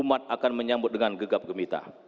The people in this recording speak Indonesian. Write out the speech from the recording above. umat akan menyambut dengan gegap gemita